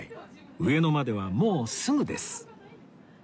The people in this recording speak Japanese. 上野まではもうすぐです